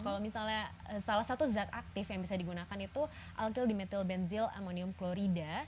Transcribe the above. kalau misalnya salah satu zat aktif yang bisa digunakan itu alkyl dimethylbenzila ammonium klorida